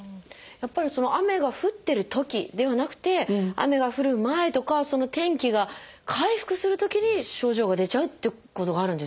やっぱり雨が降ってるときではなくて雨が降る前とか天気が回復するときに症状が出ちゃうっていうことがあるんですね。